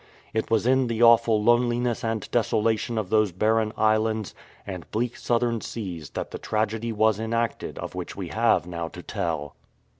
It was in the awful loneliness and desolation of those barren islands and bleak southern seas that the tragedy was enacted of which we have now to tell.